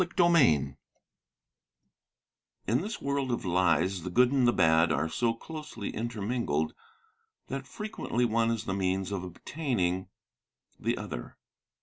CHAPTER XXI In this world of lies the good and the bad are so closely intermingled that frequently one is the means of obtaining the other.